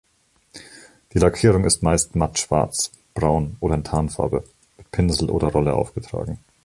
Die Lackierung ist meist mattschwarz, braun oder in Tarnfarbe, mit Pinsel oder Rolle aufgetragen.